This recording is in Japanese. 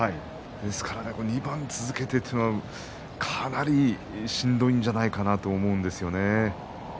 ですから２番続けてというのはかなり、しんどいんじゃないかなと思うんですよね。